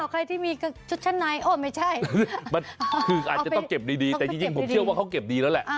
ใครที่มีชุดชั้นในโอ้ไม่ใช่คืออาจจะต้องเก็บดีแต่จริงผมเชื่อว่าเขาเก็บดีแล้วแหละ